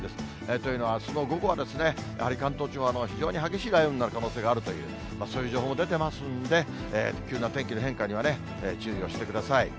というのは、あすの午後はやはり関東地方は非常に激しい雷雨になる可能性があるという、そういう情報出てますんで、急な天気の変化には注意をしてください。